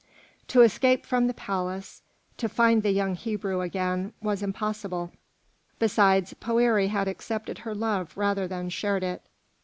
To escape from the palace, to find the young Hebrew again, was impossible. Besides, Poëri had accepted her love rather than shared it.